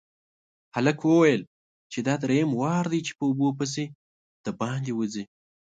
هلک وويل چې دا دريم وار دی چې په اوبو پسې د باندې وځي.